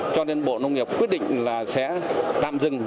cho nên bộ nông nghiệp quyết định là sẽ tạm dừng